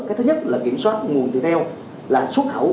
cái thứ nhất là kiểm soát nguồn thịt heo là xuất khẩu